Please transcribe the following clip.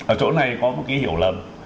ở chỗ này có một cái hiểu lầm